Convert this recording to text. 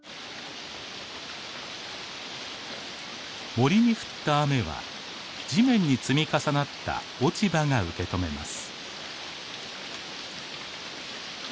森に降った雨は地面に積み重なった落ち葉が受け止めます。